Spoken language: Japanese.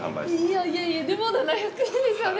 いやいやいや、でも７００円ですよね